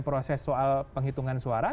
proses soal penghitungan suara